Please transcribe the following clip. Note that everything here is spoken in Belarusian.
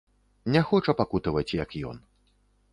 Не хоча пакутаваць, як ён.